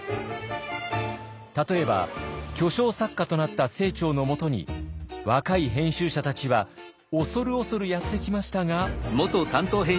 例えば巨匠作家となった清張のもとに若い編集者たちは恐る恐るやって来ましたが。